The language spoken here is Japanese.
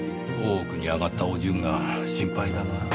大奥に上がったお順が心配だな。